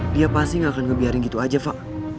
dia pasti gak akan ngebiarin gitu aja pak